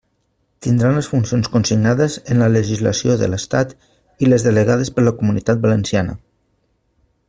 Tindran les funcions consignades en la legislació de l'Estat i les delegades per la Comunitat Valenciana.